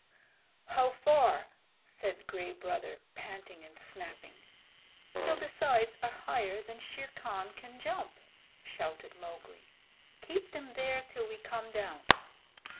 "How far?" said Gray Brother, panting and snapping. "Till the sides are higher than Shere Khan can jump," shouted Mowgli. "Keep them there till we come down."